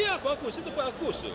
iya bagus itu bagus